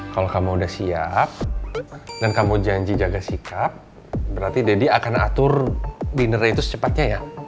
kalau kamu udah siap dan kamu janji jaga sikap berarti deddy akan atur dinnernya itu secepatnya ya